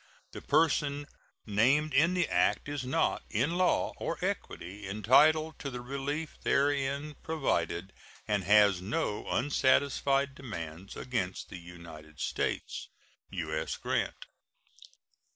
The person named in the act is not, in law or equity, entitled to the relief therein provided, and has no unsatisfied demands against the United States. U.S. GRANT.